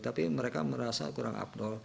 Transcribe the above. tapi mereka merasa kurang abnol